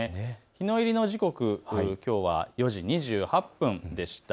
日の入りの時刻、きょうは４時２８分でした。